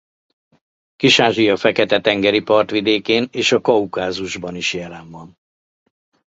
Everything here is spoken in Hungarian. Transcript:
Kis-Ázsia fekete-tengeri partvidékén és a Kaukázusban is jelen van.